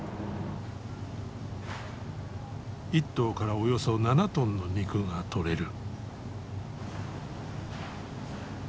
１頭からおよそ７トンの肉が取れる。